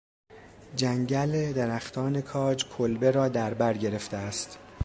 جنگل درختان کاج کلبه را در برگرفته است.